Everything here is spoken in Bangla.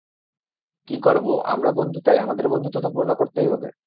কি করবো, আমরা বন্ধু তাই, আমাদের বন্ধুত্ব তো পূর্ণ করতেই হবে।